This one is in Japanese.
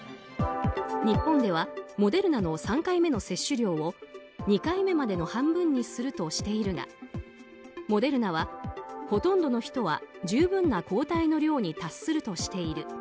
日本ではモデルナの３回目の接種量を２回目までの半分にするとしているがモデルナは、ほとんどの人は十分な抗体の量に達するとしている。